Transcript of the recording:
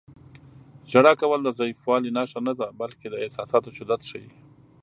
• ژړا کول د ضعیفوالي نښه نه ده، بلکې د احساساتو شدت ښيي.